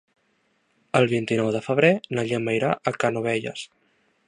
El vint-i-nou de febrer na Gemma irà a Canovelles.